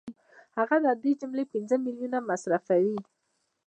هغه له دې جملې پنځه میلیونه مصرفوي